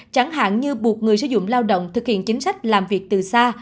chẳng hạn như buộc người sử dụng lao động thực hiện chính sách làm việc từ xa